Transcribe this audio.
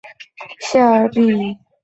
谢尔比。